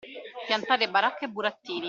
Piantare baracca e burattini.